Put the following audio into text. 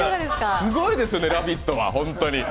すごいですよね、「ラヴィット！」は本当に。